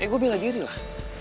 gue bela diri lah